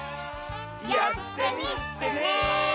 やってみてね！